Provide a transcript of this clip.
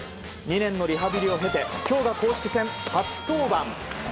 ２年のリハビリを経て今日が公式戦初登板。